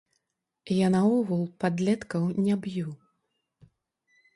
Я наогул падлеткаў не б'ю.